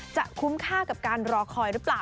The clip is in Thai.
คุ้มค่ากับการรอคอยหรือเปล่า